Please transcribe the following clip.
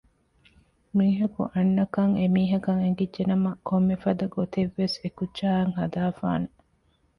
މީހަކު އަންނަކަން އެ މީހާއަށް އެނގިއްޖެނަމަ ކޮންމެފަދަ ގޮތެއްވެސް އެ ކުއްޖާއަށް ހަދައިފާނެ